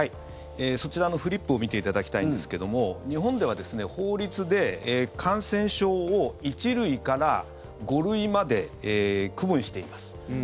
そちらのフリップを見ていただきたいんですけども日本では法律で感染症を１類から５類まで区分しています。